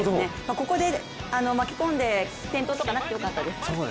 ここで巻き込んで転倒とかなくてよかったです。